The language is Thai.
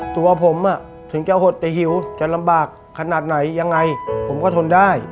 ตัวผมถึงจะหดแต่หิวจะลำบากขนาดไหนยังไงผมก็ทนได้